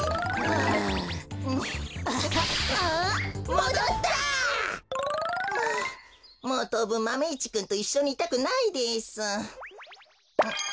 もうとうぶんマメ１くんといっしょにいたくないです。